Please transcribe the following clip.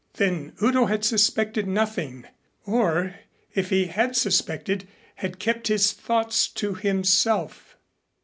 Then Udo had suspected nothing, or if he had suspected, had kept his thoughts to himself.